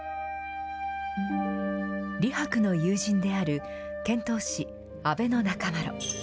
李白の友人である遣唐使、阿倍仲麻呂。